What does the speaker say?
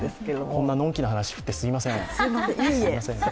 こんなのんきな話題振ってすみません。